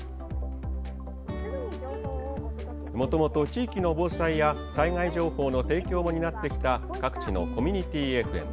もともと地域の防災や災害情報の提供も担ってきた各地のコミュニティＦＭ。